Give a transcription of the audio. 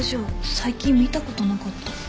最近見たことなかった。